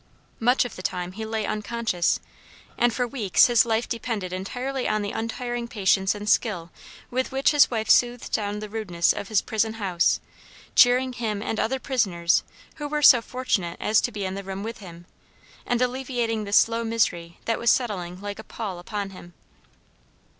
Much of the time he lay unconscious, and for weeks his life depended entirely on the untiring patience and skill with which his wife soothed down the rudeness of his prison house, cheering him and other prisoners who were so fortunate as to be in the room with him, and alleviating the slow misery that was settling like a pall upon him.